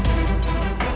beberapa v tricks